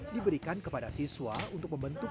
diberikan kepada siswa untuk membentuk